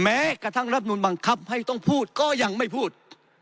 แม้กระทั่งรับนูลบังคับให้ต้องพูดก็ยังไม่พูด